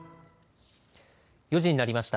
４時になりました。